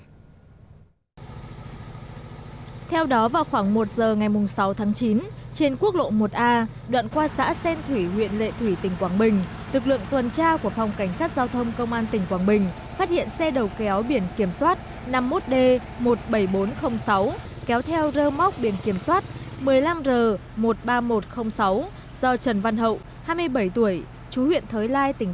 một xe đầu kéo vận chuyển một cây đa có kích cỡ rất lớn từ quảng ngãi ra hà nội vừa bị lực lượng tuần tra của phòng cảnh sát giao thông công an tỉnh quảng bình phát hiện và bắt giữ do vi phạm các quy định về an toàn giao thông